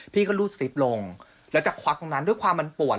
พี่ก็รูดซิปลงแล้วจะควักตรงนั้นด้วยความมันปวด